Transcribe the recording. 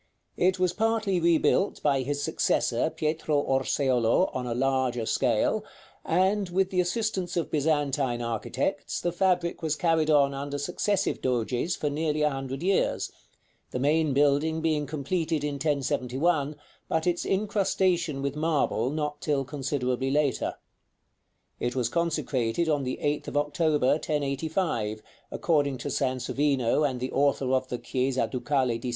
It was partly rebuilt by his successor, Pietro Orseolo, on a larger scale; and, with the assistance of Byzantine architects, the fabric was carried on under successive Doges for nearly a hundred years; the main building being completed in 1071, but its incrustation with marble not till considerably later. It was consecrated on the 8th of October, 1085, according to Sansovino and the author of the "Chiesa Ducale di S.